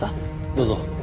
どうぞ。